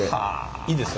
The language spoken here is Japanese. いいですか？